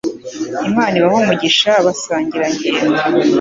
Imana ibahe umugisha basangira ngendo